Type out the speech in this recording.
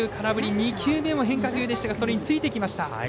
２球目も変化球でしたがそれについていきました。